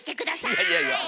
いやいやいや！